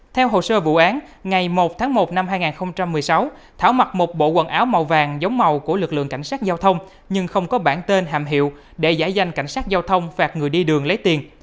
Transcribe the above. theo hồ sơ vụ án ngày một tháng một năm hai nghìn một mươi sáu thảo mặc một bộ quần áo màu vàng giống màu của lực lượng cảnh sát giao thông nhưng không có bản tên hàm hiệu để giải danh cảnh sát giao thông phạt người đi đường lấy tiền